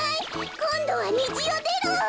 こんどはにじよでろ。